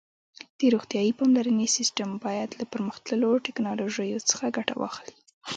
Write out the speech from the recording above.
د روغتیايي پاملرنې سیسټم باید له پرمختللو ټکنالوژیو څخه ګټه واخلي.